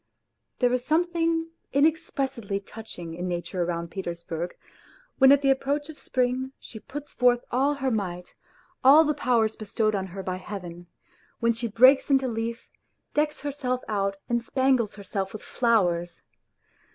There is something inexpressibly touching in nature round Petersburg, when at the approach of spring she puts forth all her might, all the powers bestowed on her by Heaven, when she breaks into leaf, decks herself out and spangles herself with flowers.